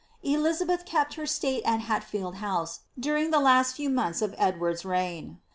Elizabeth kept her sUite at Hatfield House during the last few months of Edward's reign.